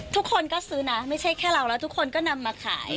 ทุกคนก็ซื้อนะไม่ใช่แค่เราแล้วทุกคนก็นำมาขาย